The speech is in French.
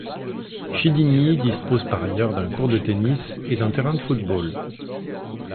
Chédigny dispose par ailleurs d'un court de tennis et d'un terrain de football.